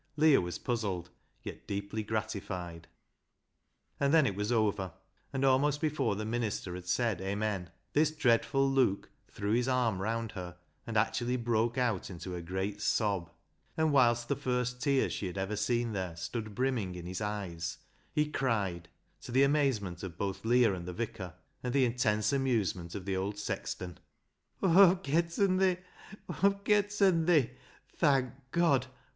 Leah was puzzled, yet deeply gratified. And then it was over, and almost before the minister had said " Amen !" this dreadful Luke threw his arm round her and actually broke out into a great sob ; and whilst the first tears she had ever seen there stood brimming in his eyes, he cried, to the amazement of both Leah and the vicar, and the intense amusement of the old sexton —" Aw've getten thi. Aw've getten thi. Thank God